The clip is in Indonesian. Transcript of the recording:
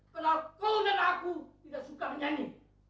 karena kau dan aku tidak suka menyanyi